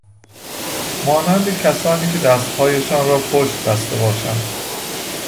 مانند کسانی که دستهایشان را پشت بسته باشند